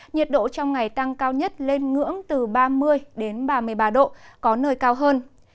nhiệt độ trong ngày tăng cao nhất lên ngưỡng từ ba mươi đến ba mươi ba độ có nơi cao hơn